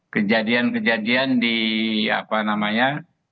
kejadian kejadian di apa namanya